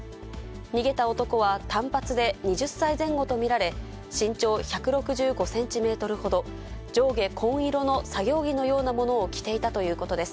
逃げた男は短髪で２０歳前後と見られ、身長１６５センチメートルほど、上下紺色の作業着のようなものを着ていたということです。